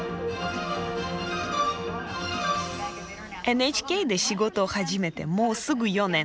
ＮＨＫで仕事を始めてもうすぐ４年。